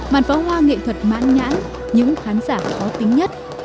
màn pháo hoa nghệ thuật mãn nhãn những khán giả khó tính nhất